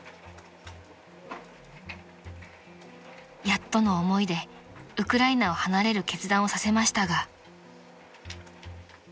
［やっとの思いでウクライナを離れる決断をさせましたが］